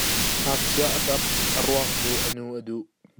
Ngakchia a ṭap, a ruang cu a nu a duh.